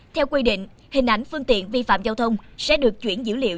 theo quy định hình ảnh phương tiện vi phạm giao thông sẽ được chuyển dữ liệu